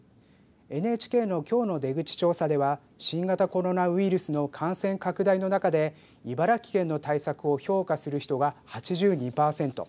ＮＨＫのきょうの出口調査では新型コロナウイルスの感染拡大の中で茨城県の対策を評価する人は８２％。